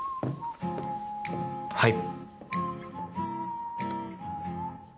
はい。